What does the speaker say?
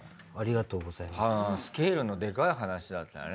スケールのでかい話だったよね